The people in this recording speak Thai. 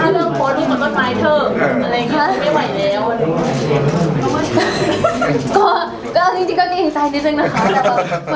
ทุกคนบอกว่าไม่ได้ลองโพสต์ดูกับต้นไม้เถอะ